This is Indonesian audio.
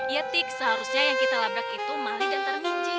ya tik seharusnya yang kita labrak itu mali dan tergunci